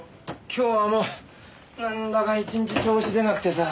今日はもうなんだか１日調子出なくてさ。